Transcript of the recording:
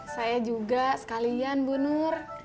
saya juga sekalian bu nur